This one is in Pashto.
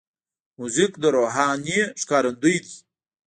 موزیک د روحانه ښکارندوی دی.